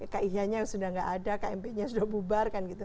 kih nya sudah tidak ada kmp nya sudah bubar